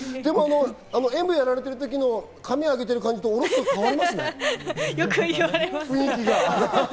演武をやられているときの髪を上げている感じとおろすと変わりまよく言われます。